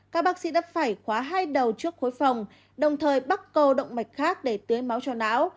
các bác sĩ đã phải khóa hai đầu trước khối phòng đồng thời bắt câu động mạch khác để tưới máu cho não